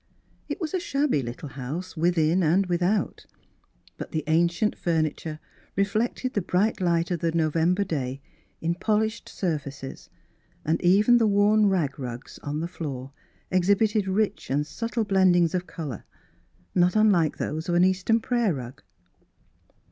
It was a shabby little house, within and without, but the ancient furniture reflected the bright light of the November day in pol [ 7 ] Miss Philura's Wedding Gown ished surfaces, and even the worn rag rugs on the floor exhibited rich and subtle blendings of colour, not unlike those of an eastern prajer rug.